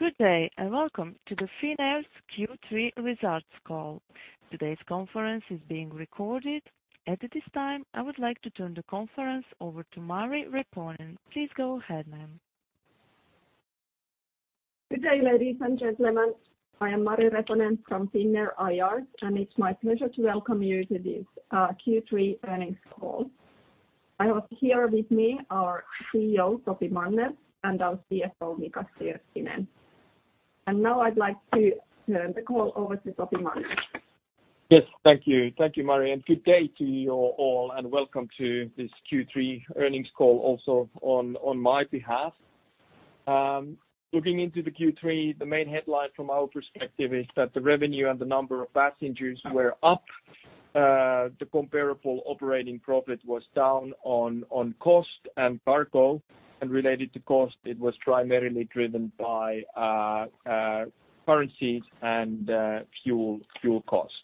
Good day, welcome to Finnair's Q3 results call. Today's conference is being recorded. At this time, I would like to turn the conference over to Mari Reponen. Please go ahead, ma'am. Good day, ladies and gentlemen. I am Mari Reponen from Finnair IR, it's my pleasure to welcome you to this Q3 earnings call. I have here with me our CEO, Topi Manner, and our CFO, Mika Stirkkinen. Now I'd like to turn the call over to Topi Manner. Yes. Thank you, Mari, good day to you all, welcome to this Q3 earnings call also on my behalf. Looking into the Q3, the main headline from our perspective is that the revenue and the number of passengers were up. The comparable operating profit was down on cost and cargo, related to cost, it was primarily driven by currencies and fuel costs.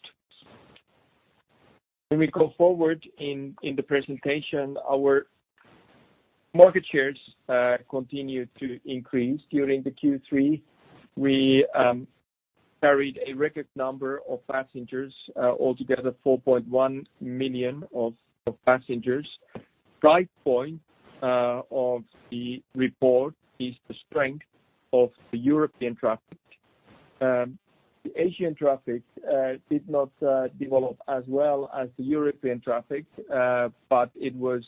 When we go forward in the presentation, our market shares continued to increase during the Q3. We carried a record number of passengers, altogether 4.1 million of passengers. Bright point of the report is the strength of the European traffic. The Asian traffic did not develop as well as the European traffic, but it was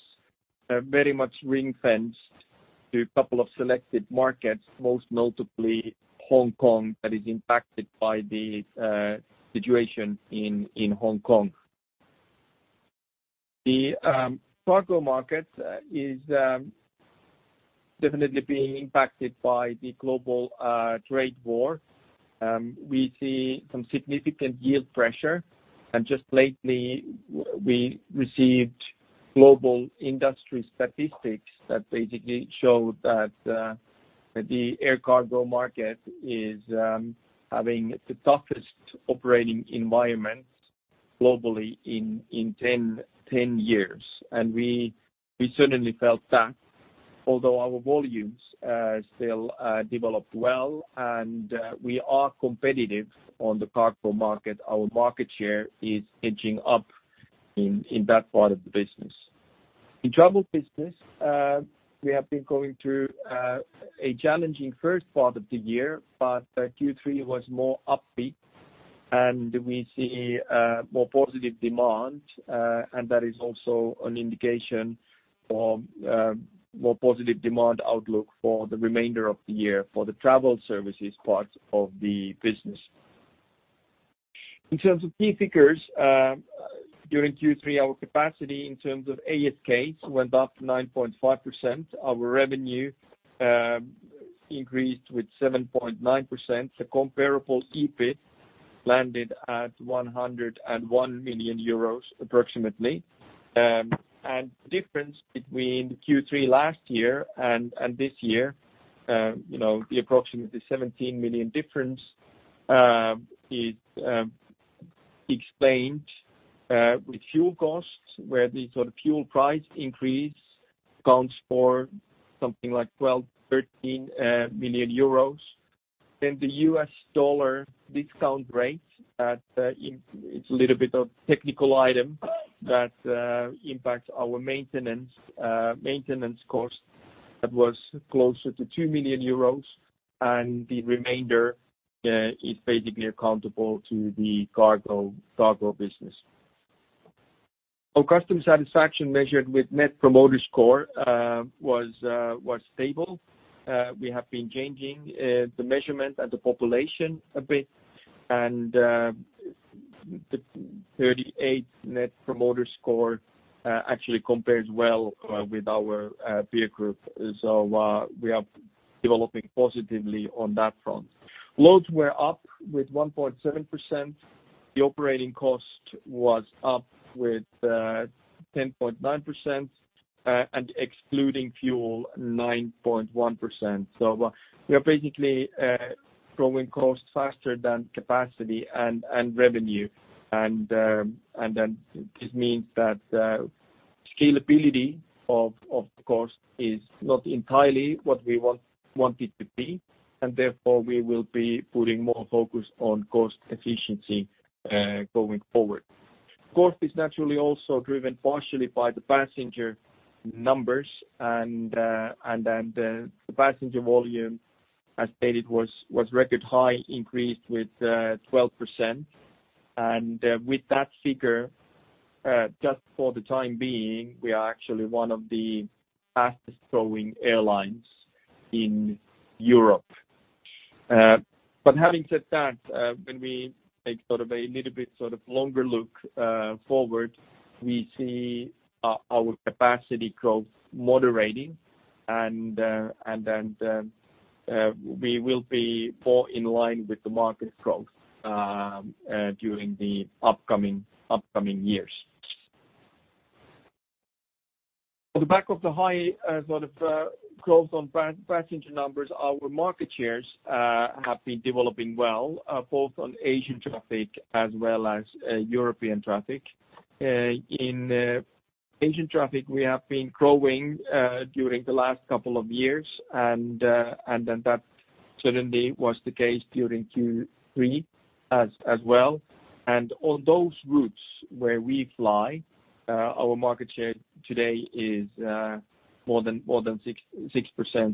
very much ring-fenced to a couple of selected markets, most notably Hong Kong, that is impacted by the situation in Hong Kong. The cargo market is definitely being impacted by the global trade war. We see some significant yield pressure, just lately, we received global industry statistics that basically showed that the air cargo market is having the toughest operating environment globally in 10 years. We certainly felt that, although our volumes still developed well and we are competitive on the cargo market, our market share is edging up in that part of the business. In travel business, we have been going through a challenging first part of the year, Q3 was more upbeat and we see a more positive demand, that is also an indication of more positive demand outlook for the remainder of the year for the travel services part of the business. In terms of key figures, during Q3, our capacity in terms of ASK went up to 9.5%. Our revenue increased with 7.9%. The comparable EBIT landed at EUR 101 million approximately. The difference between Q3 last year and this year, the approximately 17 million difference, is explained with fuel costs, where the sort of fuel price increase accounts for something like 12 million, 13 million euros. The US dollar discount rate at-- It's a little bit of technical item that impacts our maintenance cost that was closer to 2 million euros, and the remainder is basically accountable to the cargo business. Our customer satisfaction measured with Net Promoter Score was stable. We have been changing the measurement and the population a bit, and the 38 Net Promoter Score actually compares well with our peer group. We are developing positively on that front. Loads were up with 1.7%. The operating cost was up with 10.9%, and excluding fuel, 9.1%. We are basically growing costs faster than capacity and revenue. This means that scalability of cost is not entirely what we want it to be, and therefore, we will be putting more focus on cost efficiency going forward. Cost is naturally also driven partially by the passenger numbers and then the passenger volume, as stated, was record high, increased with 12%. With that figure, just for the time being, we are actually one of the fastest-growing airlines in Europe. Having said that, when we take sort of a little bit sort of longer look forward, we see our capacity growth moderating, and then we will be more in line with the market growth during the upcoming years. On the back of the high sort of growth on passenger numbers, our market shares have been developing well, both on Asian traffic as well as European traffic. In Asian traffic we have been growing during the last couple of years, that certainly was the case during Q3 as well. On those routes where we fly, our market share today is more than 6%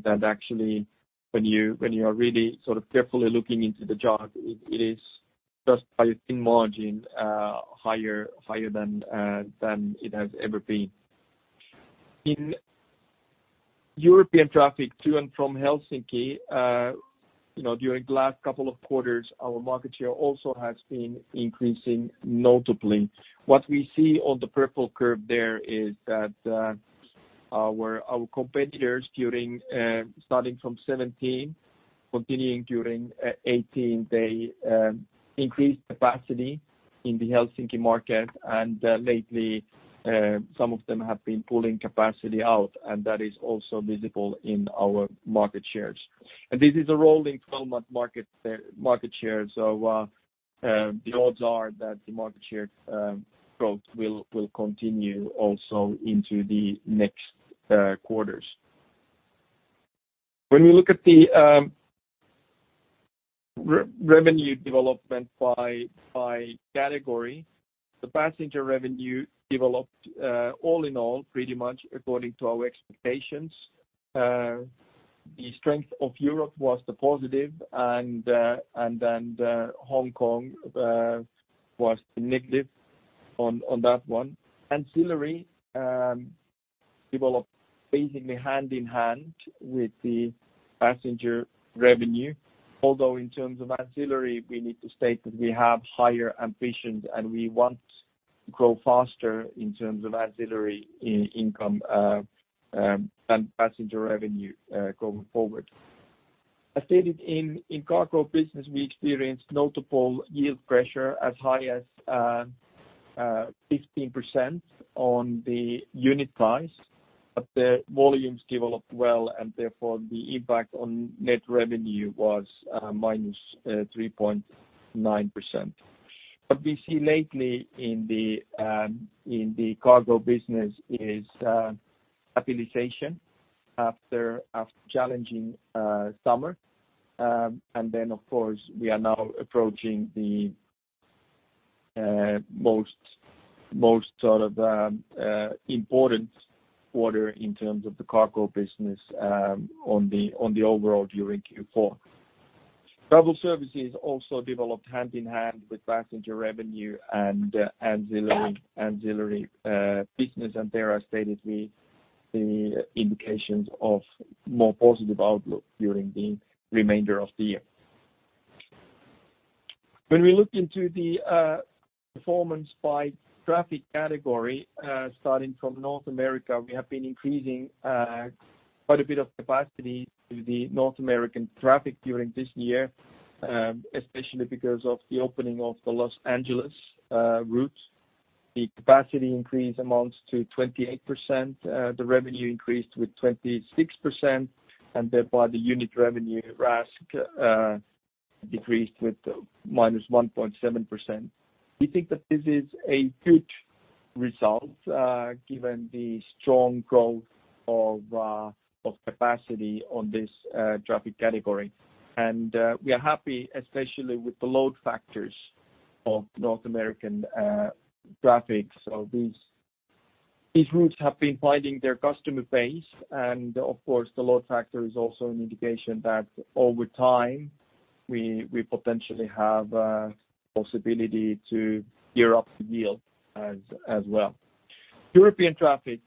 that actually, when you are really carefully looking into the job, it is just by a thin margin higher than it has ever been. In European traffic to and from Helsinki, during the last couple of quarters, our market share also has been increasing notably. What we see on the purple curve there is that our competitors starting from 2017, continuing during 2018, they increased capacity in the Helsinki market, and lately some of them have been pulling capacity out, and that is also visible in our market shares. This is a rolling 12-month market share, the odds are that the market share growth will continue also into the next quarters. When we look at the revenue development by category, the passenger revenue developed all in all pretty much according to our expectations. The strength of Europe was the positive, and then Hong Kong was negative on that one. Ancillary developed basically hand-in-hand with the passenger revenue. Although in terms of ancillary, we need to state that we have higher ambitions, and we want to grow faster in terms of ancillary income than passenger revenue going forward. As stated in cargo business, we experienced notable yield pressure as high as 15% on the unit price, but the volumes developed well, and therefore the impact on net revenue was -3.9%. What we see lately in the cargo business is stabilization after a challenging summer. Then, of course, we are now approaching the most important quarter in terms of the cargo business on the overall during Q4. Travel services also developed hand-in-hand with passenger revenue and ancillary business, there I stated the indications of more positive outlook during the remainder of the year. When we look into the performance by traffic category, starting from North America, we have been increasing quite a bit of capacity to the North American traffic during this year, especially because of the opening of the Los Angeles route. The capacity increase amounts to 28%. The revenue increased with 26%, and thereby the unit revenue RASK decreased with -1.7%. We think that this is a good result given the strong growth of capacity on this traffic category. We are happy, especially with the load factors of North American traffic. These routes have been finding their customer base, and of course, the load factor is also an indication that over time we potentially have a possibility to gear up the yield as well. European traffic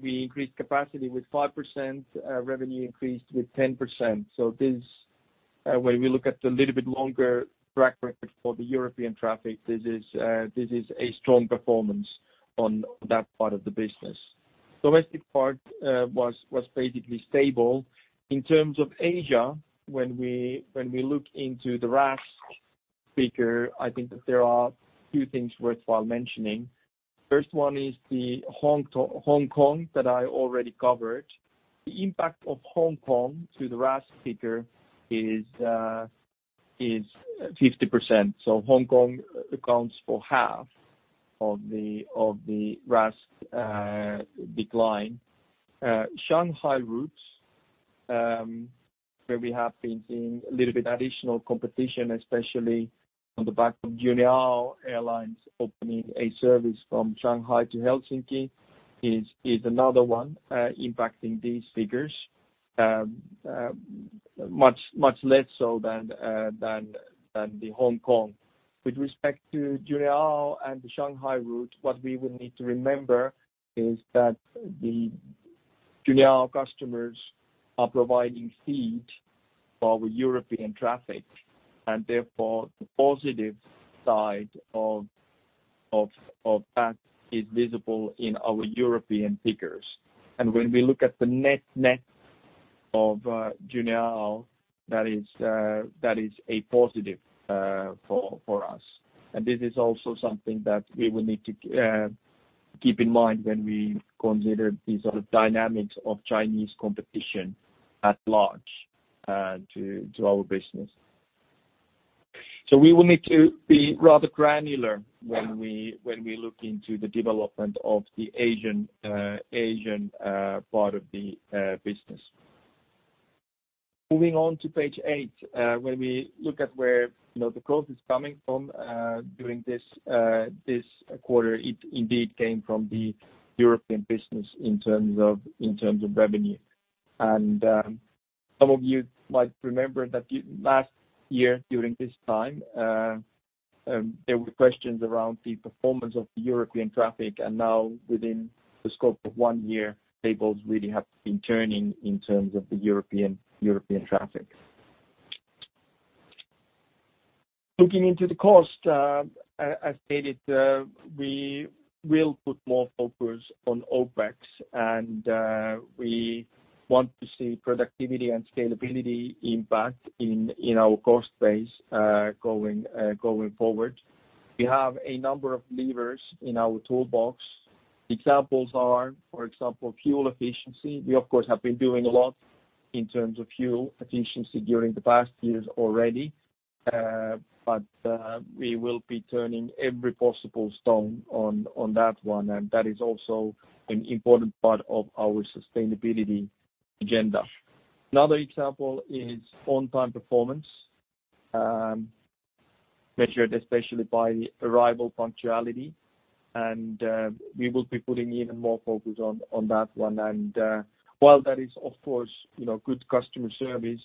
we increased capacity with 5%, revenue increased with 10%. When we look at the little bit longer track record for the European traffic, this is a strong performance on that part of the business. Domestic part was basically stable. In terms of Asia, when we look into the RASK figure, I think that there are two things worthwhile mentioning. First one is the Hong Kong that I already covered. The impact of Hong Kong to the RASK figure is 50%. Hong Kong accounts for half of the RASK decline. Shanghai routes where we have been seeing a little bit additional competition, especially on the back of Juneyao Airlines opening a service from Shanghai to Helsinki, is another one impacting these figures much less so than the Hong Kong. With respect to Juneyao and the Shanghai route, what we would need to remember is that the Juneyao customers are providing feed for our European traffic, and therefore the positive side of that is visible in our European figures. When we look at the net of Juneyao, that is a positive for us. This is also something that we will need to keep in mind when we consider these dynamics of Chinese competition at large to our business. We will need to be rather granular when we look into the development of the Asian part of the business. Moving on to page eight, when we look at where the growth is coming from during this quarter, it indeed came from the European business in terms of revenue. Some of you might remember that last year, during this time, there were questions around the performance of the European traffic, and now within the scope of one year, tables really have been turning in terms of the European traffic. Looking into the cost, as stated, we will put more focus on OpEx, we want to see productivity and scalability impact in our cost base going forward. We have a number of levers in our toolbox. Examples are, for example, fuel efficiency. We of course, have been doing a lot in terms of fuel efficiency during the past years already. We will be turning every possible stone on that one, and that is also an important part of our sustainability agenda. Another example is on-time performance, measured especially by arrival punctuality. We will be putting even more focus on that one. While that is of course, good customer service,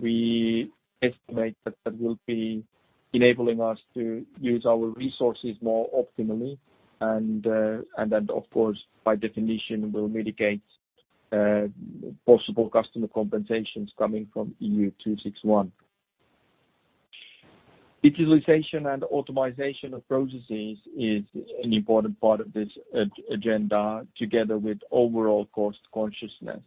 we estimate that that will be enabling us to use our resources more optimally and then of course, by definition, will mitigate possible customer compensations coming from EU 261. Digitalization and automation of processes is an important part of this agenda, together with overall cost consciousness.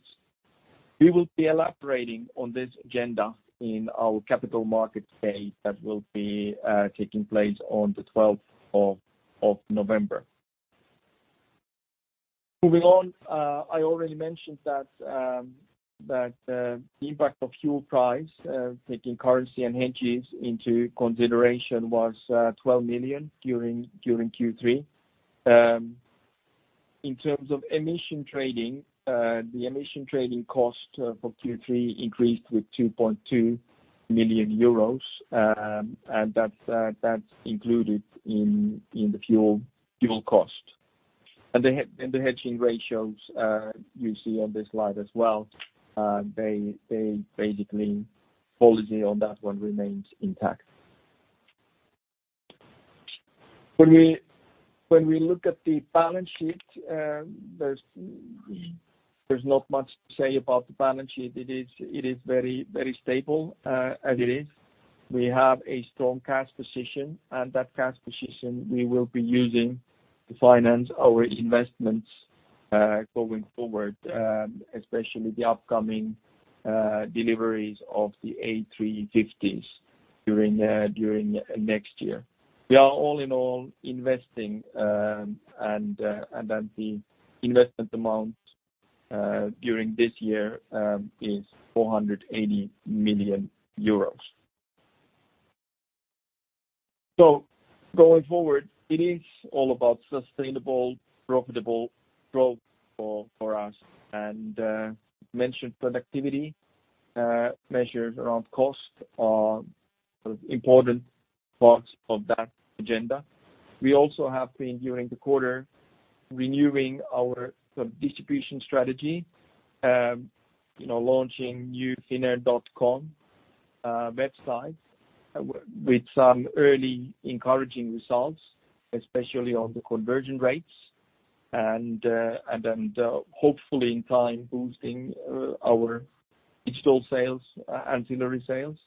We will be elaborating on this agenda in our Capital Market Day that will be taking place on the 12th of November. Moving on, I already mentioned that the impact of fuel price, taking currency and hedges into consideration, was 12 million during Q3. In terms of emission trading, the emission trading cost for Q3 increased with 2.2 million euros, and that's included in the fuel cost. The hedging ratios you see on this slide as well, basically policy on that one remains intact. When we look at the balance sheet, there's not much to say about the balance sheet. It is very stable as it is. We have a strong cash position, and that cash position we will be using to finance our investments going forward, especially the upcoming deliveries of the A350s during next year. We are all in all investing, and then the investment amount during this year is 480 million euros. Going forward, it is all about sustainable profitable growth for us and mentioned productivity measures around cost are important parts of that agenda. We also have been, during the quarter, renewing our distribution strategy, launching new finnair.com website with some early encouraging results, especially on the conversion rates, and then hopefully in time boosting our digital sales, ancillary sales.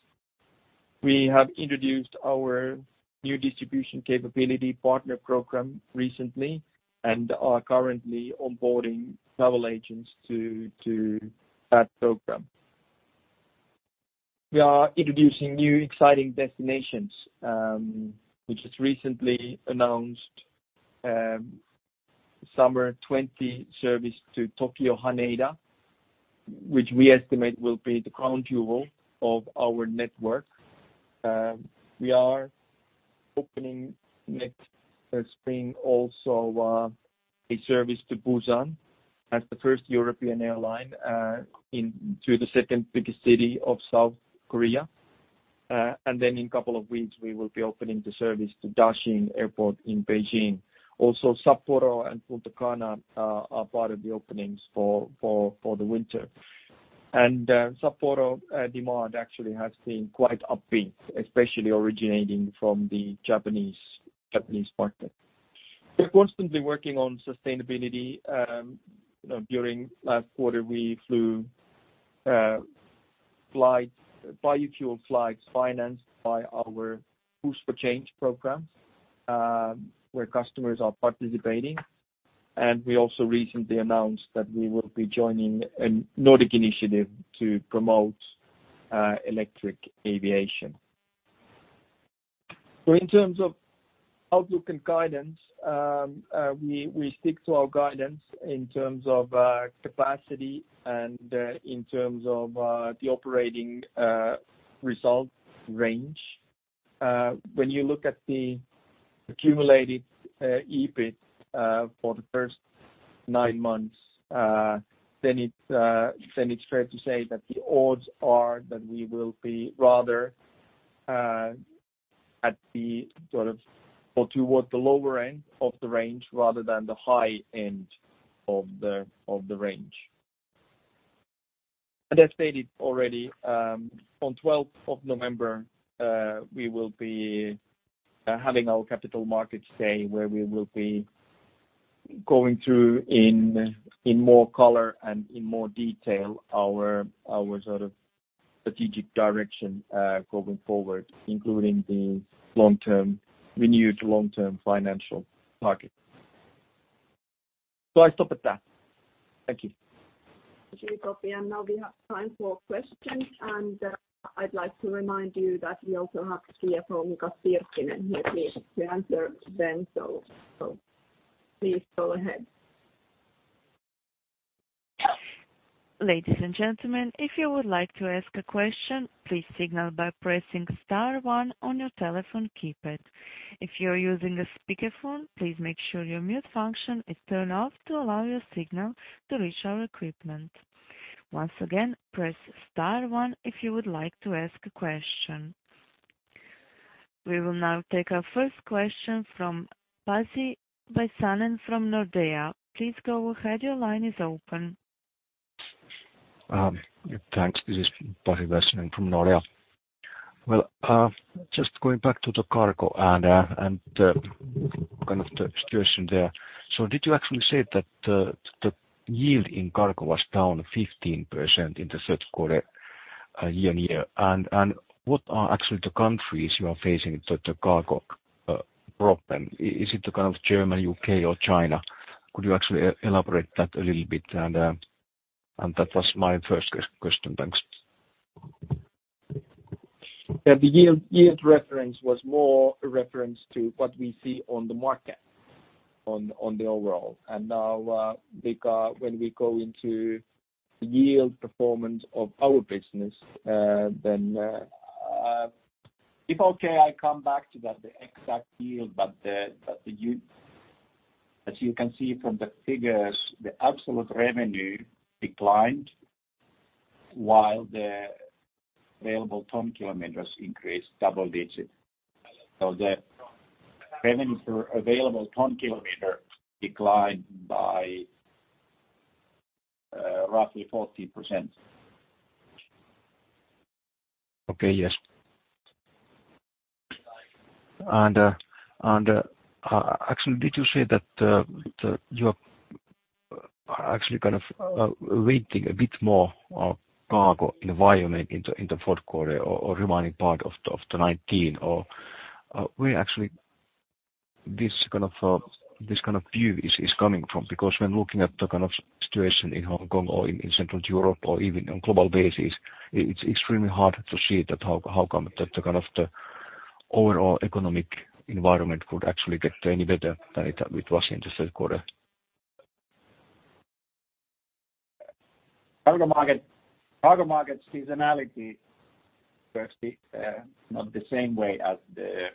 We have introduced our new distribution capability partner program recently and are currently onboarding travel agents to that program. We are introducing new exciting destinations. We just recently announced Summer 2020 service to Tokyo Haneda, which we estimate will be the crown jewel of our network. We are opening next spring also a service to Busan as the first European airline in to the second biggest city of South Korea. Then in a couple of weeks, we will be opening the service to Daxing Airport in Beijing. Also, Sapporo and Punta Cana are part of the openings for the winter. Sapporo demand actually has been quite upbeat, especially originating from the Japanese market. We're constantly working on sustainability. During last quarter, we flew biofuel flights financed by our Push for Change program, where customers are participating. We also recently announced that we will be joining a Nordic initiative to promote electric aviation. In terms of outlook and guidance, we stick to our guidance in terms of capacity and in terms of the operating result range. When you look at the accumulated EBIT for the first nine months, it's fair to say that the odds are that we will be rather towards the lower end of the range rather than the high end of the range. I stated already, on 12th of November, we will be having our Capital Markets Day, where we will be going through in more color and in more detail our strategic direction going forward, including the renewed long-term financial targets. I stop at that. Thank you. Thank you, Topi. Now we have time for questions. I'd like to remind you that we also have Chief Financial Officer Mika Stirkkinen here with me to answer them, please go ahead. Ladies and gentlemen, if you would like to ask a question, please signal by pressing star one on your telephone keypad. If you're using a speakerphone, please make sure your mute function is turned off to allow your signal to reach our equipment. Once again, press star one if you would like to ask a question. We will now take our first question from Pasi Väisänen from Nordea. Please go ahead. Your line is open. Thanks. This is Pasi Väisänen from Nordea. Just going back to the cargo and the kind of situation there. Did you actually say that the yield in cargo was down 15% in the third quarter year-on-year? What are actually the countries you are facing the cargo problem? Is it Germany, U.K., or China? Could you actually elaborate that a little bit? That was my first question. Thanks. The yield reference was more a reference to what we see on the market on the overall. Now, when we go into the yield performance of our business, if okay, I come back to that, the exact yield. As you can see from the figures, the absolute revenue declined while the available ton kilometers increased double-digit. The revenue per available ton kilometer declined by roughly 14%. Okay. Yes. Actually, did you say that you are actually kind of waiting a bit more on cargo environment in the fourth quarter or remaining part of 2019? Where actually this kind of view is coming from? When looking at the kind of situation in Hong Kong or in Central Europe or even on global basis, it's extremely hard to see that how come that the kind of overall economic environment could actually get any better than it was in the third quarter? Cargo market seasonality, firstly, not the same way as the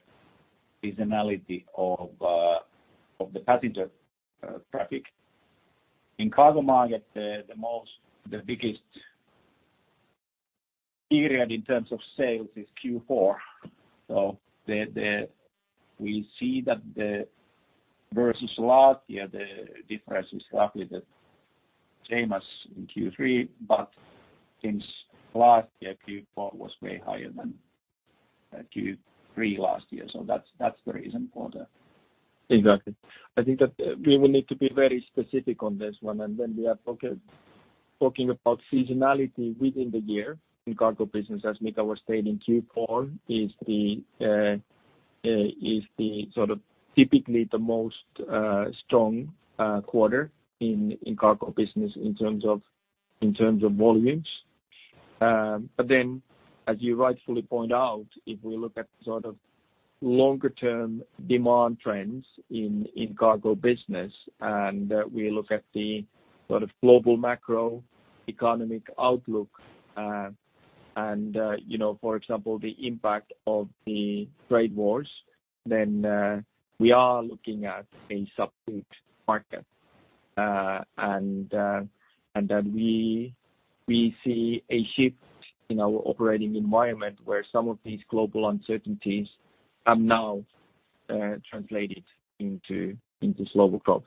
seasonality of the passenger traffic. In cargo market, the biggest period in terms of sales is Q4. We see that versus last year, the difference is roughly the same as in Q3, since last year, Q4 was way higher than Q3 last year. That's the reason for that. Exactly. I think that we will need to be very specific on this one. When we are talking about seasonality within the year in cargo business, as Mika was stating, Q4 is the sort of typically the most strong quarter in cargo business in terms of volumes. As you rightfully point out, if we look at sort of longer-term demand trends in cargo business, we look at the sort of global macroeconomic outlook, for example, the impact of the trade wars, we are looking at a subdued market. That we see a shift in our operating environment where some of these global uncertainties have now translated into slower growth.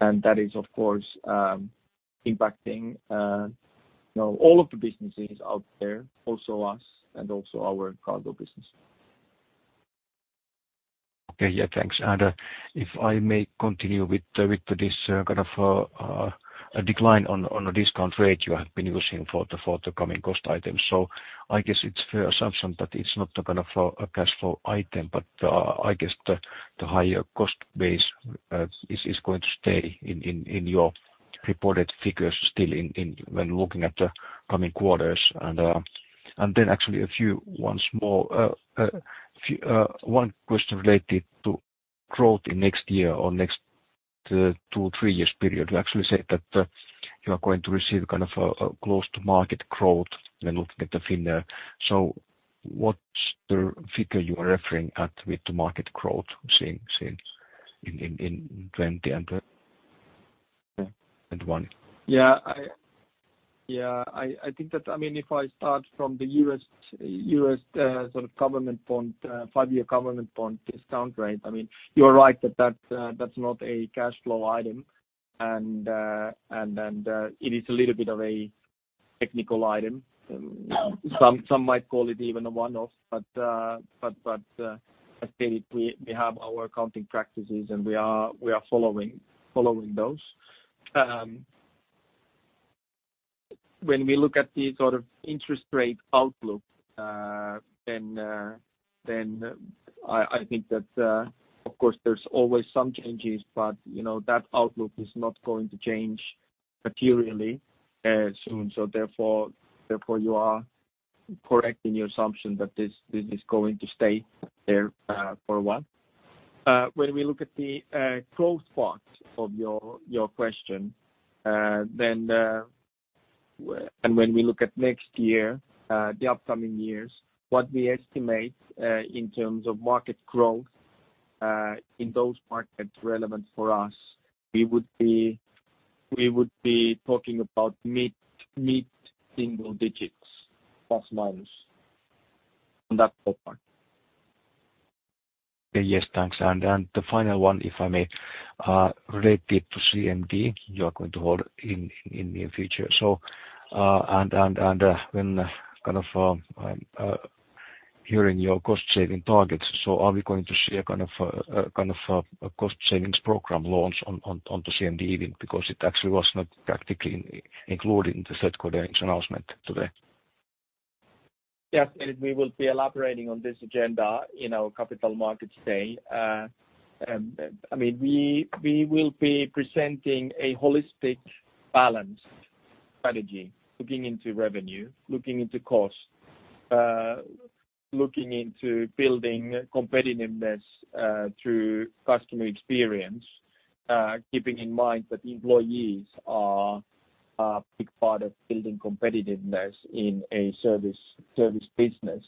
That is, of course, impacting all of the businesses out there, also us and also our cargo business. Okay. Yeah, thanks. If I may continue with this kind of a decline on the discount rate you have been using for the coming cost items. I guess it's fair assumption that it's not the kind of a cash flow item, but I guess the higher cost base is going to stay in your reported figures still when looking at the coming quarters. Actually a few ones more. One question related to growth in next year or next two, three years period. You actually said that you are going to receive kind of a close to market growth when looking at Finnair. What's the figure you are referring at with the market growth seen in 2020 and 2021? I think that, if I start from the U.S. five-year government bond discount rate, you're right that's not a cash flow item, and it is a little bit of a technical item. Some might call it even a one-off. As stated, we have our accounting practices, and we are following those. When we look at the sort of interest rate outlook, I think that, of course, there's always some changes. That outlook is not going to change materially soon. You are correct in your assumption that this is going to stay there for a while. When we look at the growth part of your question, when we look at next year, the upcoming years, what we estimate, in terms of market growth, in those markets relevant for us, we would be talking about mid-single digits, plus, minus, on that top line. Yes, thanks. The final one, if I may, related to CMD you are going to hold in near future. When kind of hearing your cost-saving targets. Are we going to see a kind of a cost savings program launch on to CMD even? Because it actually was not practically included in the third quarter earnings announcement today. Yes, David, we will be elaborating on this agenda in our Capital Markets Day. We will be presenting a holistic, balanced strategy, looking into revenue, looking into cost, looking into building competitiveness through customer experience, keeping in mind that employees are a big part of building competitiveness in a service business.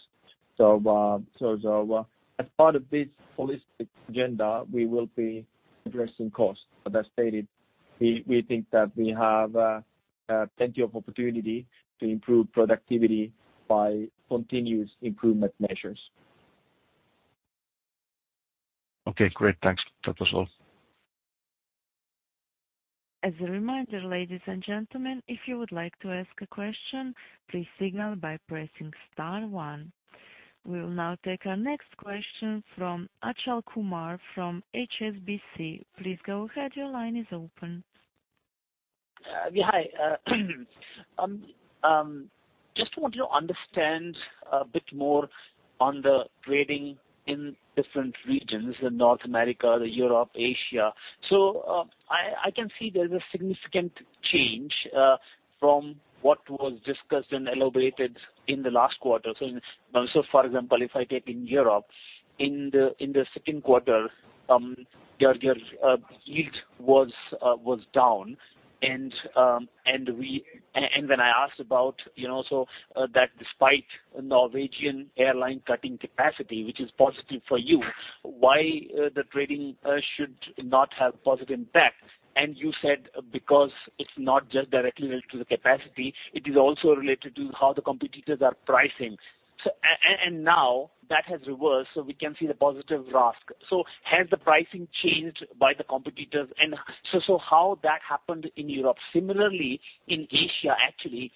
As part of this holistic agenda, we will be addressing costs. As I stated, we think that we have plenty of opportunity to improve productivity by continuous improvement measures. Okay, great. Thanks. That was all. As a reminder, ladies and gentlemen, if you would like to ask a question, please signal by pressing star one. We will now take our next question from Achal Kumar from HSBC. Please go ahead. Your line is open. Hi. I just want to understand a bit more on the trading in different regions, North America, Europe, Asia. I can see there's a significant change from what was discussed and elaborated in the last quarter. For example, if I take in Europe, in the second quarter, your yield was down. When I asked about that despite Norwegian airline cutting capacity, which is positive for you, why the trading should not have positive impact. You said because it's not just directly related to the capacity, it is also related to how the competitors are pricing. Now that has reversed, we can see the positive RASK. Has the pricing changed by the competitors? How that happened in Europe? Similarly in Asia, actually,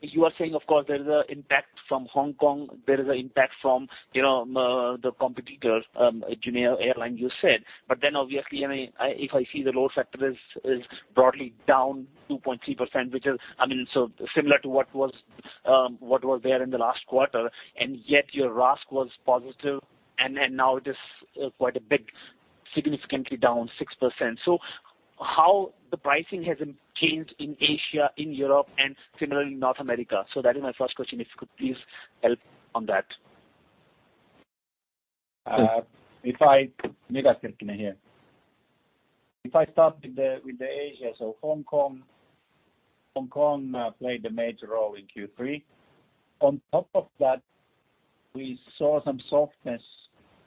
you are saying, of course, there is an impact from Hong Kong. There is an impact from the competitor, Juneyao airline, you said. Obviously, if I see the load factor is broadly down 2.3%, which is similar to what was there in the last quarter, and yet your RASK was positive, and now it is quite a bit significantly down 6%. How the pricing has changed in Asia, Europe, and similarly in North America? That is my first question. If you could please help on that? Mika Sirkkinen here. If I start with Asia, Hong Kong played a major role in Q3. On top of that, we saw some softness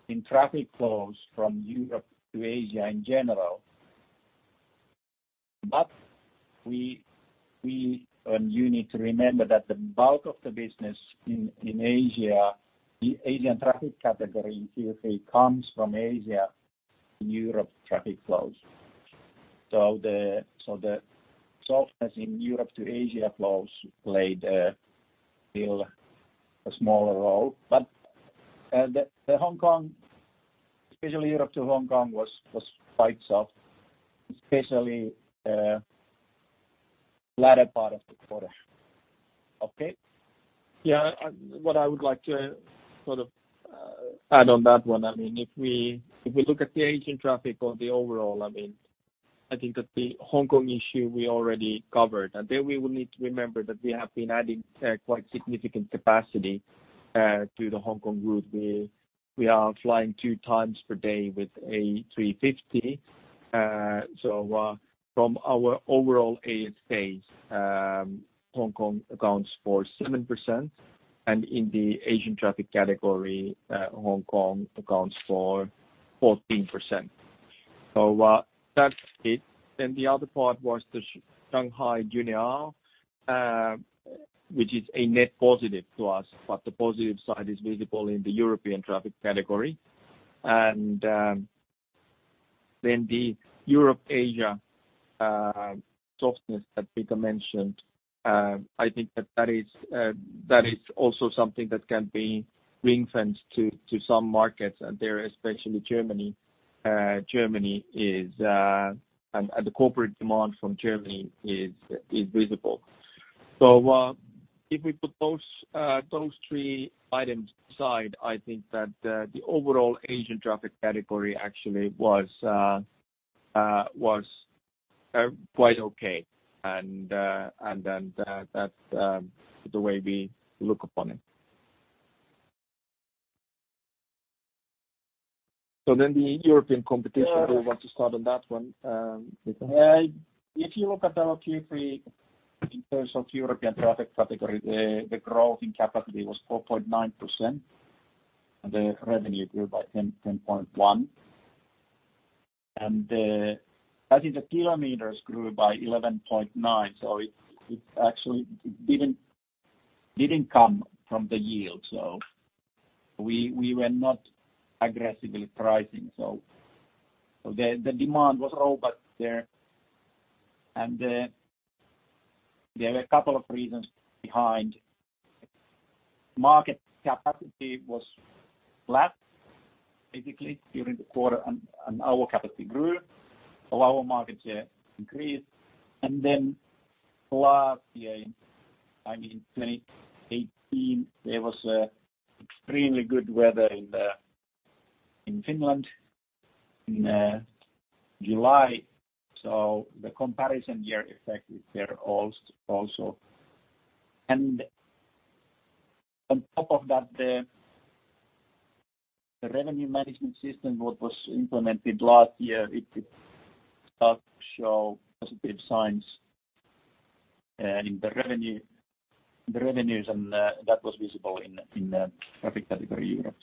in traffic flows from Europe to Asia in general. You need to remember that the bulk of the business in Asia, the Asian traffic category in Q3 comes from Asia and Europe traffic flows. The softness in Europe to Asia flows played a smaller role. The Hong Kong, especially Europe to Hong Kong was quite soft, especially latter part of the quarter. Okay? Yeah. What I would like to add on that one, if we look at the Asian traffic or the overall, I think that the Hong Kong issue we already covered, and there we will need to remember that we have been adding quite significant capacity to the Hong Kong route. We are flying two times per day with A350. From our overall Asia space, Hong Kong accounts for 7%, and in the Asian traffic category, Hong Kong accounts for 14%. That's it. The other part was the Shanghai-Juneyao, which is a net positive to us, but the positive side is visible in the European traffic category. The Europe-Asia softness that Peter mentioned, I think that is also something that can be ring-fenced to some markets there, especially Germany. The corporate demand from Germany is visible. If we put those three items aside, I think that the overall Asian traffic category actually was quite okay. That's the way we look upon it. The European competition- Yeah Do you want to start on that one, Peter? If you look at our Q3 in terms of European traffic category, the growth in capacity was 4.9%, and the revenue grew by 10.1%. I think the kilometers grew by 11.9%, so it actually didn't come from the yield. We were not aggressively pricing. The demand was robust there, and there were a couple of reasons behind. Market capacity was flat, basically, during the quarter, and our capacity grew. Our market share increased. Last year, in 2018, there was extremely good weather in Finland in July, so the comparison year effect is there also. On top of that, the revenue management system, what was implemented last year, it did start to show positive signs in the revenues, and that was visible in the traffic category Europe.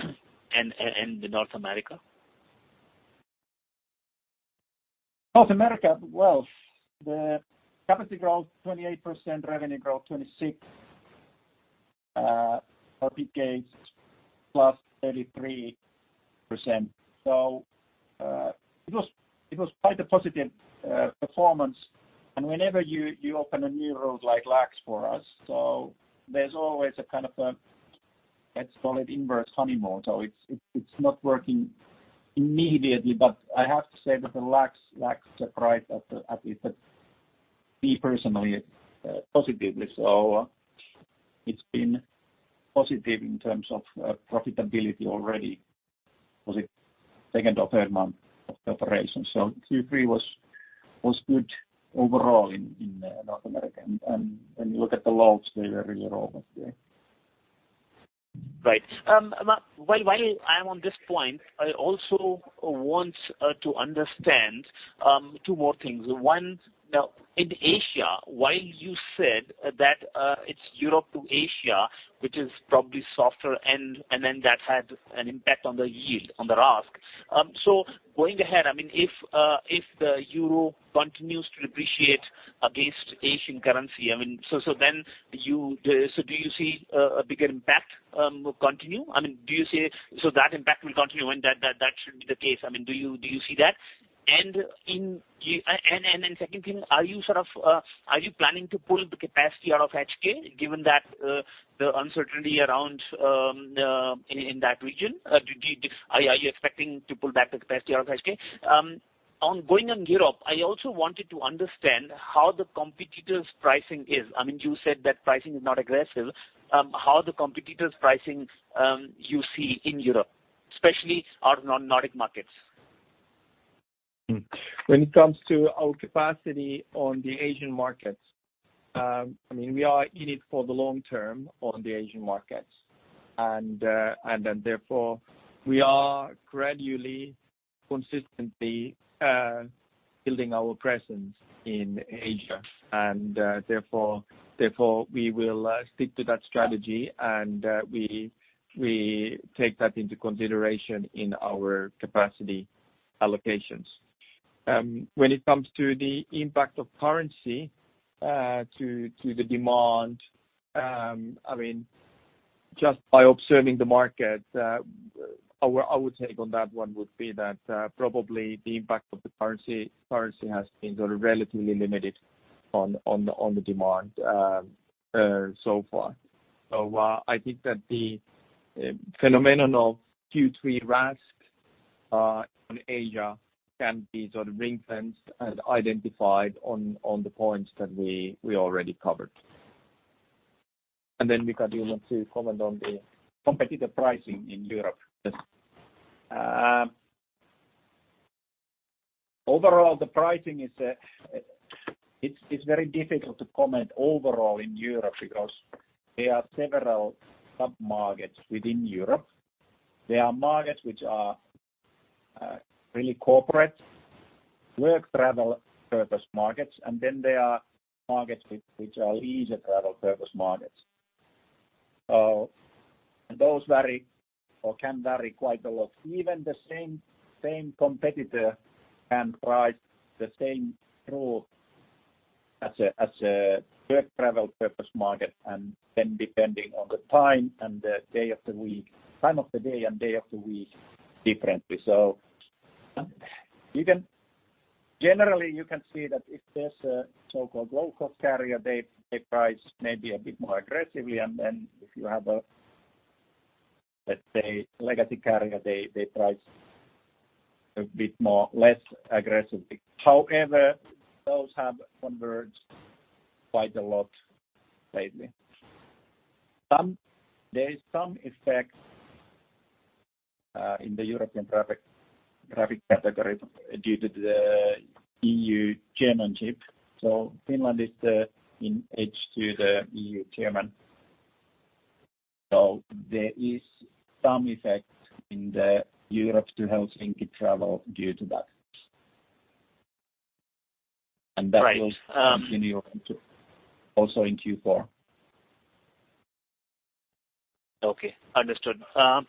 The North America? North America, well, the capacity growth 28%, revenue growth 26%, RPK plus 33%. It was quite a positive performance. Whenever you open a new route like LAX for us, there's always a kind of, let's call it inverse honeymoon. It's not working immediately, but I have to say that the LAX surprised at least me personally positively. It's been positive in terms of profitability already for the second or third month of the operation. Q3 was good overall in North America. When you look at the loads, they were really robust there. Right. While I am on this point, I also want to understand two more things. One, now in Asia, while you said that it's Europe to Asia, which is probably softer and that had an impact on the yield, on the RASK. Going ahead, if the euro continues to depreciate against Asian currency, do you see a bigger impact will continue? That impact will continue when that should be the case. Do you see that? Second thing, are you planning to pull the capacity out of HK, given that the uncertainty around in that region? Are you expecting to pull back the capacity out of HK? Going on Europe, I also wanted to understand how the competitors' pricing is. You said that pricing is not aggressive. How are the competitors' pricing you see in Europe, especially our Nordic markets? When it comes to our capacity on the Asian markets, we are in it for the long term on the Asian markets. Therefore, we are gradually, consistently building our presence in Asia. Therefore, we will stick to that strategy, and we take that into consideration in our capacity allocations. When it comes to the impact of currency to the demand, just by observing the market, our take on that one would be that probably the impact of the currency has been relatively limited on the demand so far. I think that the phenomenon of Q3 RASK on Asia can be sort of ring-fenced and identified on the points that we already covered. Because you want to comment on the competitive pricing in Europe. Overall, the pricing is very difficult to comment overall in Europe because there are several sub-markets within Europe. There are markets which are really corporate work travel purpose markets, and there are markets which are leisure travel purpose markets. Those vary or can vary quite a lot. Even the same competitor can price the same route as a work travel purpose market, and depending on the time of the day and day of the week differently. Generally, you can see that if there's a so-called low-cost carrier, they price maybe a bit more aggressively, and if you have a, let's say, legacy carrier, they price a bit less aggressively. However, those have converged quite a lot lately. There is some effect in the European traffic category due to the EU chairmanship. Finland is in H2 the EU chairman. There is some effect in the Europe to Helsinki travel due to that. Right. That will continue also in Q4. Okay. Understood. I'm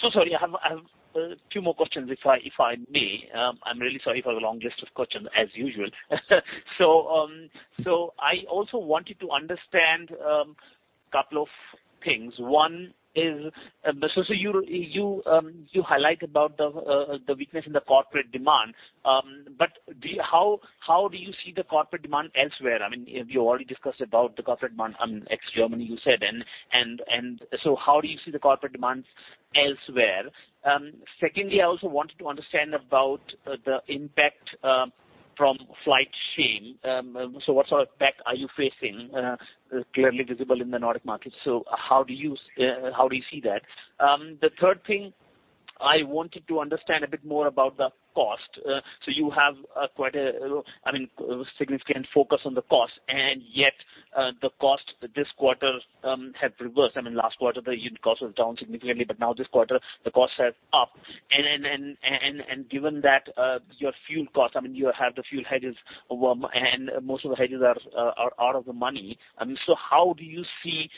so sorry. I have a few more questions, if I may. I'm really sorry for the long list of questions, as usual. I also wanted to understand a couple of things. One is, you highlight about the weakness in the corporate demand, how do you see the corporate demand elsewhere? I mean, you already discussed about the corporate demand ex Germany, you said. How do you see the corporate demands elsewhere? Secondly, I also wanted to understand about the impact from flight shame. What sort of impact are you facing, clearly visible in the Nordic market? How do you see that? The third thing I wanted to understand a bit more about the cost. You have quite a significant focus on the cost, the cost this quarter have reversed. I mean, last quarter the unit cost was down significantly, now this quarter, the costs are up. Given that your fuel cost, you have the fuel hedges and most of the hedges are out of the money, how do you see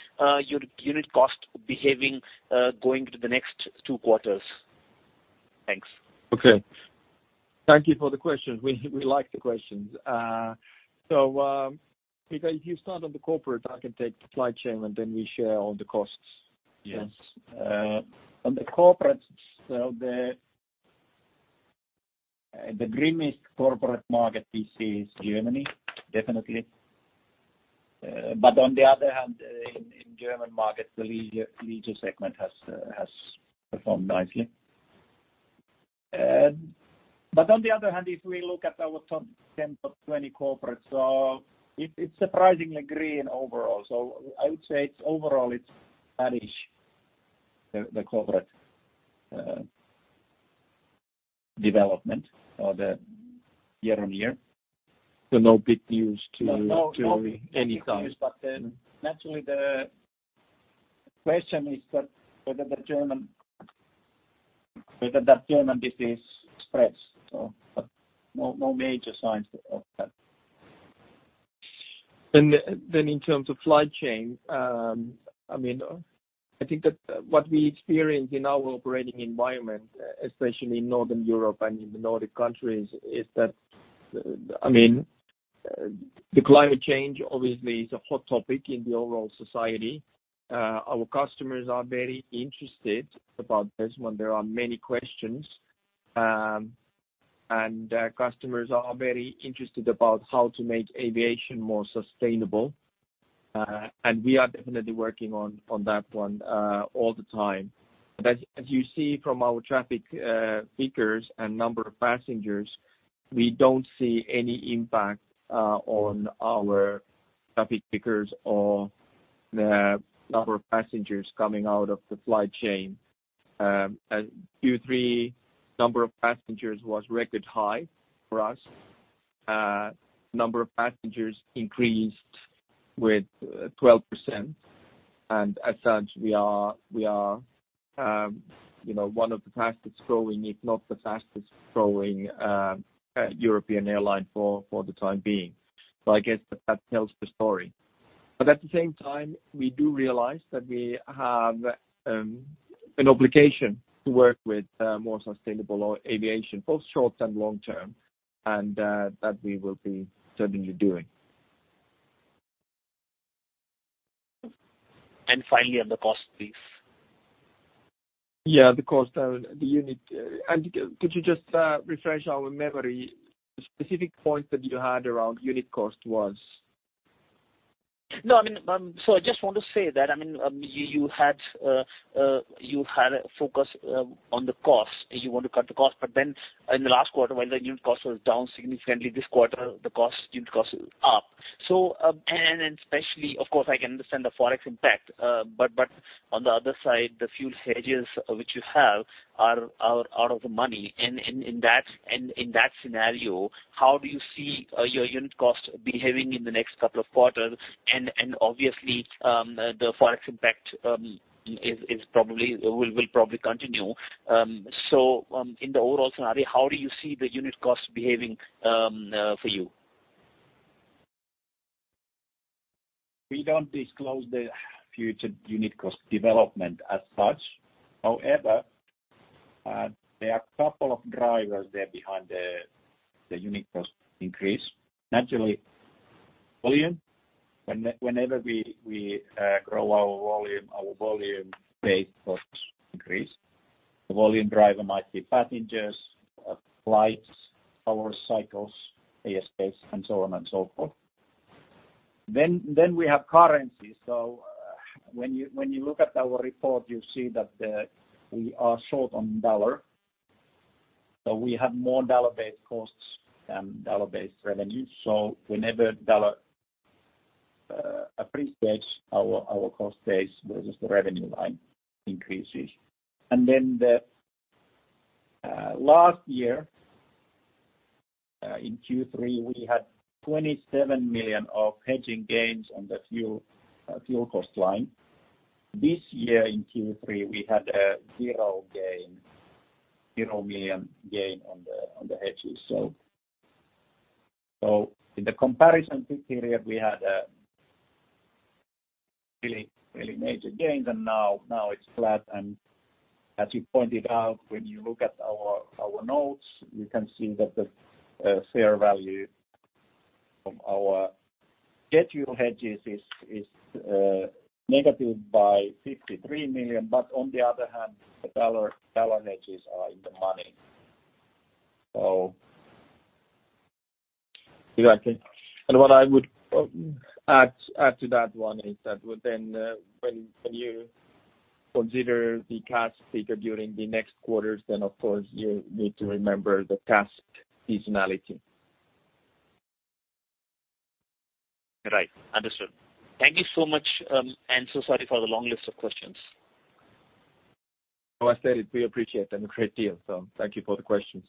your unit cost behaving going to the next two quarters? Thanks. Okay. Thank you for the questions. We like the questions. Because you start on the corporate, I can take flight shame, and then we share on the costs. Yes. On the corporate, the grimmest corporate market we see is Germany, definitely. On the other hand, in German markets, the leisure segment has performed nicely. On the other hand, if we look at our top 10, top 20 corporates, it's surprisingly green overall. I would say overall it's vanish the corporate development of the year-on-year. No big news to any country. Naturally the question is that whether that German disease spreads. No major signs of that. In terms of flight shame, I think that what we experience in our operating environment, especially in Northern Europe and in the Nordic countries, is that the climate change obviously is a hot topic in the overall society. Our customers are very interested about this one. There are many questions, and customers are very interested about how to make aviation more sustainable, and we are definitely working on that one all the time. As you see from our traffic figures and number of passengers, we don't see any impact on our traffic figures or the number of passengers coming out of the flight shame. Q3 number of passengers was record high for us. Number of passengers increased with 12%, and as such, we are one of the fastest-growing, if not the fastest-growing European airline for the time being. I guess that tells the story. At the same time, we do realize that we have an obligation to work with more sustainable aviation, both short and long term, and that we will be certainly doing. Finally, on the cost, please. The cost of the unit. Could you just refresh our memory, the specific point that you had around unit cost was? I just want to say that, you had a focus on the cost, you want to cut the cost, in the last quarter, while the unit cost was down significantly, this quarter, the unit cost is up. Especially, of course, I can understand the Forex impact, on the other side, the fuel hedges which you have are out of the money. In that scenario, how do you see your unit cost behaving in the next couple of quarters? Obviously, the Forex impact will probably continue. In the overall scenario, how do you see the unit cost behaving for you? We don't disclose the future unit cost development as such. However, there are a couple of drivers there behind the unit cost increase. Naturally, volume. Whenever we grow our volume, our volume-based costs increase. The volume driver might be passengers, flights, our cycles, ASKs, and so on and so forth. We have currency. When you look at our report, you see that we are short on dollar, we have more dollar-based costs than dollar-based revenues. Whenever dollar appreciates, our cost base versus the revenue line increases. Then the last year, in Q3, we had 27 million of hedging gains on the fuel cost line. This year in Q3, we had a zero million gain on the hedges. In the comparison period, we had a really major gain, and now it's flat. As you pointed out, when you look at our notes, you can see that the fair value from our jet fuel hedges is negative by 53 million. On the other hand, the USD hedges are in the money. Exactly. What I would add to that one is that when you consider the CASK figure during the next quarters, of course you need to remember the CASK seasonality. Right. Understood. Thank you so much, so sorry for the long list of questions. No, as I said, we appreciate them a great deal, thank you for the questions.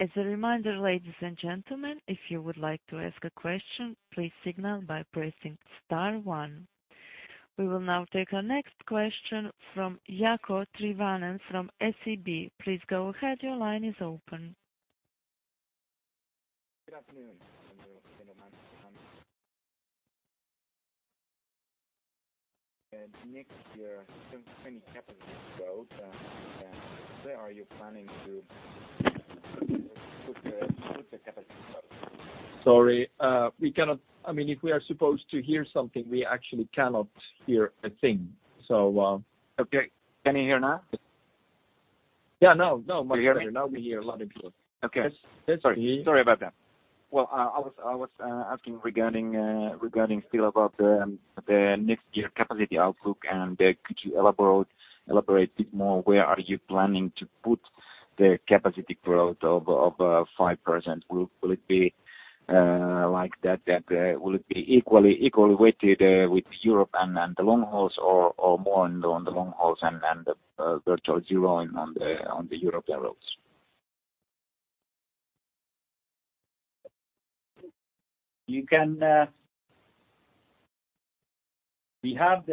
As a reminder, ladies and gentlemen, if you would like to ask a question, please signal by pressing star one. We will now take our next question from Jaakko Tyrväinen from SEB. Please go ahead. Your line is open. Good afternoon. Gentlemen. Next year, some capacity growth. Where are you planning to put the capacity growth? Sorry. If we are supposed to hear something, we actually cannot hear a thing. Okay. Can you hear now? Yeah. Now we hear a lot improve. Okay. Sorry about that. Well, I was asking regarding still about the next year capacity outlook, and could you elaborate bit more where are you planning to put the capacity growth of 5%? Will it be equally weighted with Europe and the long hauls, or more on the long hauls and the virtual zero on the European routes? We have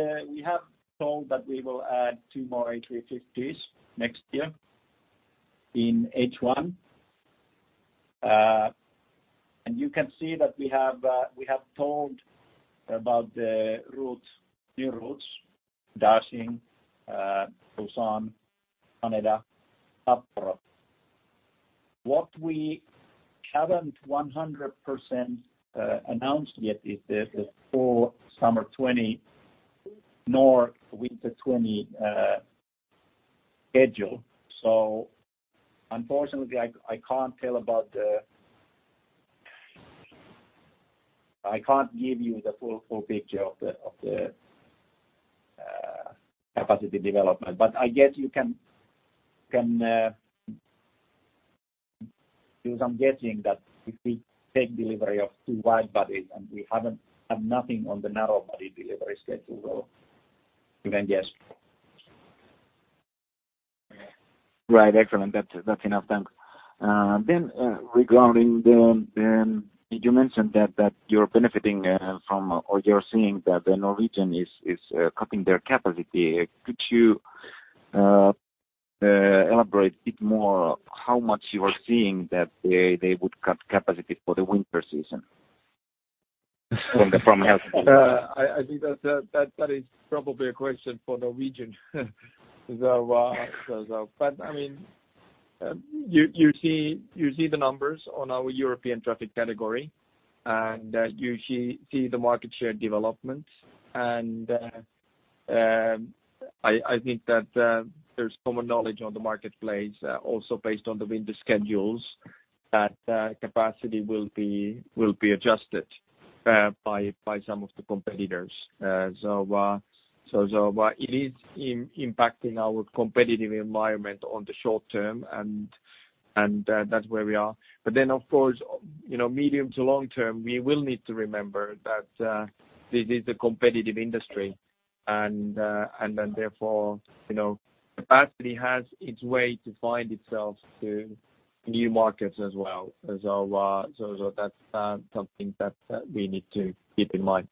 told that we will add two more A350s next year in H1. You can see that we have told about the new routes, Dar es Salaam, Busan, Haneda, Sapporo. What we haven't 100% announced yet is the full summer 2020 nor winter 2020 schedule. Unfortunately, I can't give you the full picture of the capacity development. I guess you can do some guessing that if we take delivery of two wide bodies and we have nothing on the narrow body delivery schedule, you can guess. Right. Excellent. That's enough. Thanks. Regarding You mentioned that you're benefiting from, or you're seeing that Norwegian is cutting their capacity. Could you elaborate a bit more how much you are seeing that they would cut capacity for the winter season from Helsinki? I think that is probably a question for Norwegian. You see the numbers on our European traffic category, and you see the market share development. I think that there's common knowledge on the marketplace also based on the winter schedules, that capacity will be adjusted by some of the competitors. It is impacting our competitive environment on the short term, and that's where we are. Of course, medium to long term, we will need to remember that this is a competitive industry and therefore, capacity has its way to find itself to new markets as well. That's something that we need to keep in mind.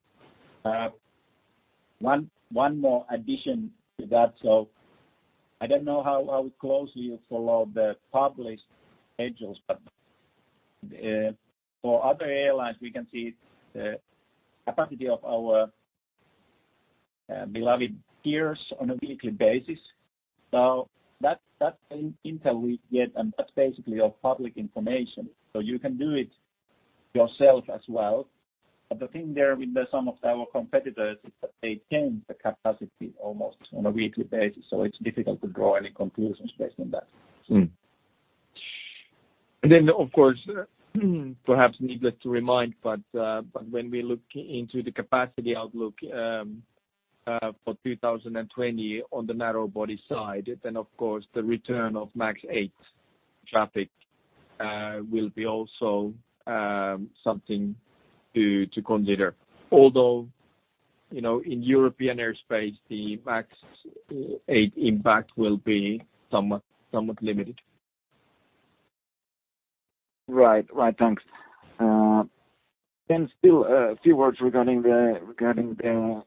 One more addition to that. I don't know how closely you follow the published schedules, for other airlines, we can see the capacity of our beloved peers on a weekly basis. That's the intel we get and that's basically all public information, you can do it yourself as well. The thing there with some of our competitors is that they change the capacity almost on a weekly basis, it's difficult to draw any conclusions based on that. Of course, perhaps needless to remind, when we look into the capacity outlook for 2020 on the narrow body side, of course the return of MAX 8 traffic will be also something to consider. Although, in European airspace, the MAX 8 impact will be somewhat limited. Right, thanks. Still a few words regarding the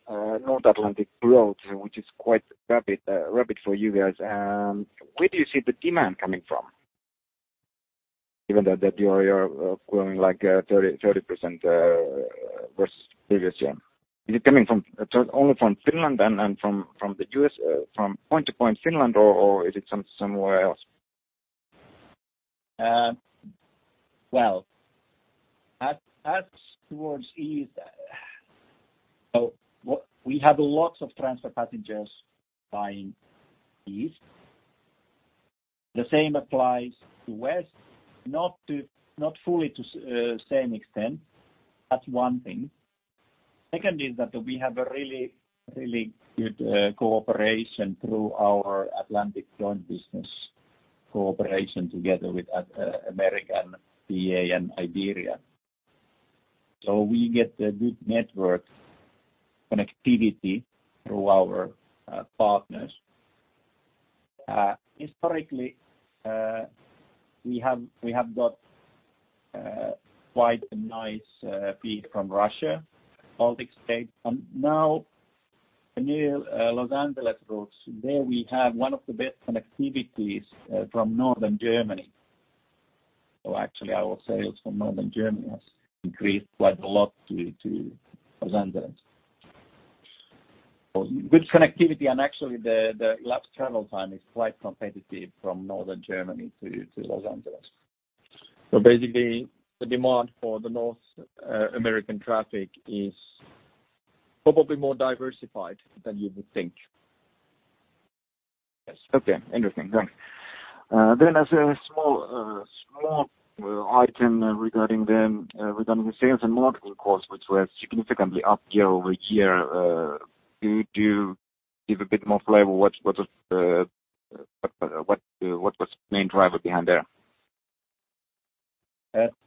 North Atlantic growth, which is quite rapid for you guys. Where do you see the demand coming from, given that you are growing 30% versus previous year? Is it coming only from Finland and from the point to point Finland, or is it somewhere else? Well, as towards East, we have lots of transfer passengers buying East. The same applies to West, not fully to same extent. That's one thing. Second is that we have a really good cooperation through our Atlantic joint business cooperation together with American, BA and Iberia. We get a good network connectivity through our partners. Historically, we have got quite a nice feed from Russia, Baltic States, and now the new Los Angeles routes. There we have one of the best connectivities from Northern Germany. Actually our sales from Northern Germany has increased quite a lot to Los Angeles. Basically, the demand for the North American traffic is probably more diversified than you would think. Yes. Okay. Interesting. Thanks. As a small item regarding the sales and marketing costs, which were significantly up year-over-year, could you give a bit more flavor what was the main driver behind there?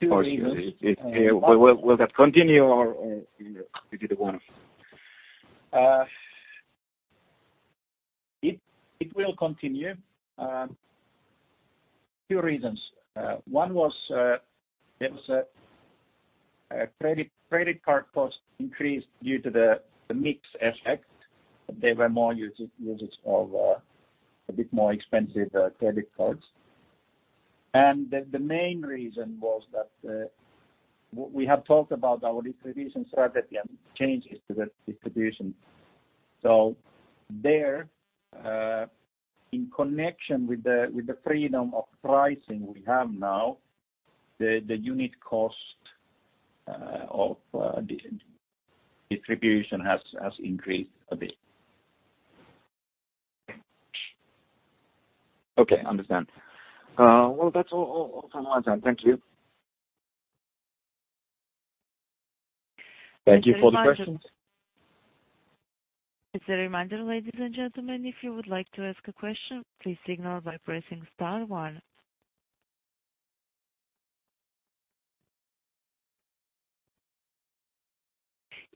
Two reasons. Will that continue or is it a one-off? It will continue. Two reasons. One was there was a credit card cost increase due to the mix effect. There were more usage of a bit more expensive credit cards. The main reason was that we have talked about our distribution strategy and changes to the distribution. There, in connection with the freedom of pricing we have now, the unit cost of distribution has increased a bit. Okay. Understand. Well, that's all from my end. Thank you. Thank you for the questions. As a reminder, ladies and gentlemen, if you would like to ask a question, please signal by pressing star one.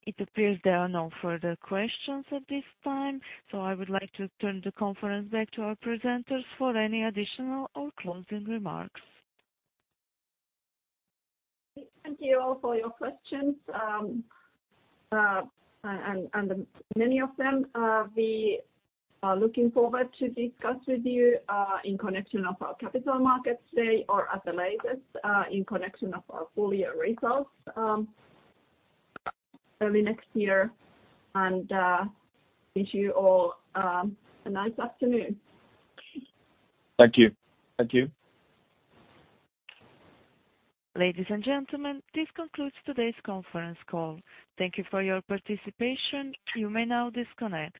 It appears there are no further questions at this time, so I would like to turn the conference back to our presenters for any additional or closing remarks. Thank you all for your questions, and many of them we are looking forward to discuss with you in connection of our Capital Markets Day or at the latest in connection of our full year results early next year. Wish you all a nice afternoon. Thank you. Thank you. Ladies and gentlemen, this concludes today's conference call. Thank you for your participation. You may now disconnect.